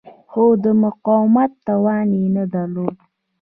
خو د مقاومت توان یې نه درلود.